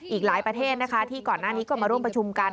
อีกหลายประเทศนะคะที่ก่อนหน้านี้ก็มาร่วมประชุมกัน